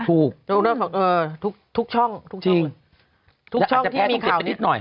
ทุกช่องทุกช่องที่มีข่าวนี้